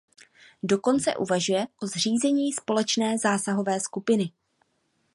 Dokonce uvažuje o zřízení společné zásahové skupiny.